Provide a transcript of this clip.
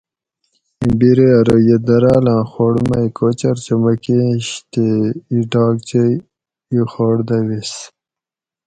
اِیں بیرے ارو یہ دراۤل آں خوڑ مئ کوچۤر چمکیںش تے اِیں ڈاکچئ ایں خوڑ دہ ویس